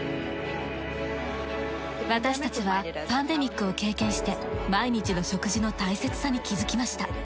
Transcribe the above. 私たちはパンデミックを経験して毎日の食事の大切さに気づきました。